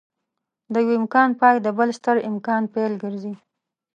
د يوه امکان پای د بل ستر امکان پيل ګرځي.